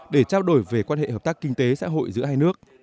để trao đổi về quan hệ hợp tác kinh tế xã hội giữa hai nước